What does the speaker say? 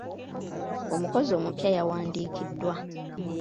Omukozi omupya yawandiikiddwa.